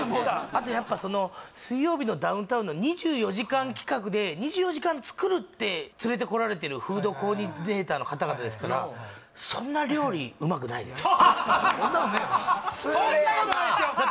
あとやっぱその「水曜日のダウンタウン」の２４時間企画で２４時間作るって連れてこられてるフードコーディネーターの方々ですからそんなことねえよ失礼なそんなことないですよ